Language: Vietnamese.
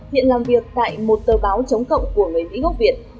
hiện làm việc tại một tờ báo chống cộng của người mỹ gốc việt